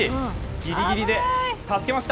ギリギリで助けました。